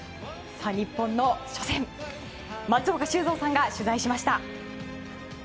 日本の初戦、松岡修造さんが取材しました。